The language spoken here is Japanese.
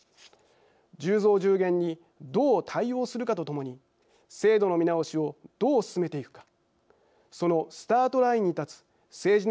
１０増１０減にどう対応するかとともに制度の見直しをどう進めていくかそのスタートラインに立つ政治の姿勢が問われると考えます。